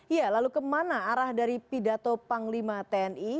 iya lalu kemana arah dari pidato panglima tni